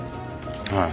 はい。